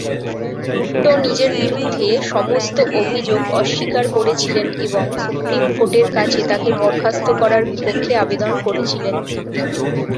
ভুট্টো নিজের বিরুদ্ধে সমস্ত অভিযোগ অস্বীকার করেছিলেন এবং সুপ্রীম কোর্টের কাছে তাকে বরখাস্ত করার বিপক্ষে আবেদন করেছিলেন।